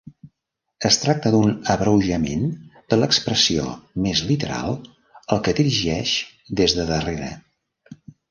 Es tracta d"un abreujament de l"expressió més literal "el que dirigeix des de darrere".